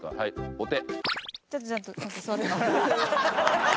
お手。